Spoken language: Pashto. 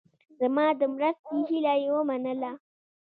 زما د مرستې هیله یې ومنله.